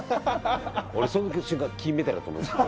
俺その瞬間金メダルだと思いましたよ。